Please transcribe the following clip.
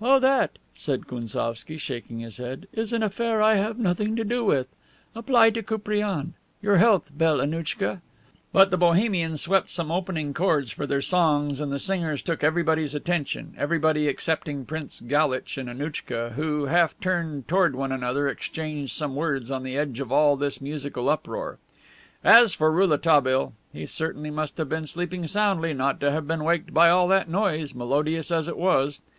"Oh, that," said Gounsovski, shaking his head, "is an affair I have nothing to do with. Apply to Koupriane. Your health, belle Annouchka." But the Bohemians swept some opening chords for their songs, and the singers took everybody's attention, everybody excepting Prince Galitch and Annouchka, who, half turned toward one another, exchanged some words on the edge of all this musical uproar. As for Rouletabille, he certainly must have been sleeping soundly not to have been waked by all that noise, melodious as it was.